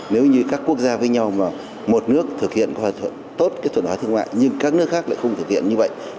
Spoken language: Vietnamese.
nếu như các quốc gia với nhau mà một nước thực hiện có tốt thuận hóa thương mại nhưng các nước khác lại không thực hiện như vậy